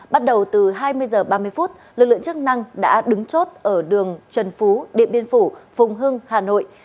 bắt đầu từ hai mươi h ba mươi phút lực lượng chức năng đã đứng chốt ở đường trần phú điện biên phủ phùng hưng hà nội